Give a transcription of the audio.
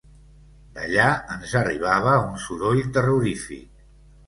D'allà ens arribava un soroll terrorífic